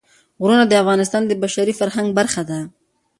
غرونه د افغانستان د بشري فرهنګ برخه ده.